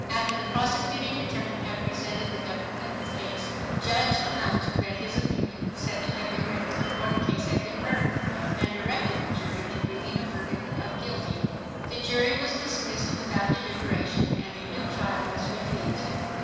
After the prosecuting attorney had presented the government's case, Judge Hunt read his opinion, said to have been written before the case had been heard, and directed the jury to bring in a verdict of guilty. The jury was dismissed without deliberation and a new trial was refused.